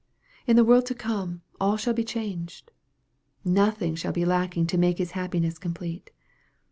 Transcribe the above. In the world to come, all shall be changed. Nothing shall be lacking to make his happiness complete.